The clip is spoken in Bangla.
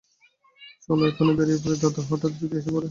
চলো এখনি বেরিয়ে পড়ি দাদা, হঠাৎ যদি এসে পড়ে?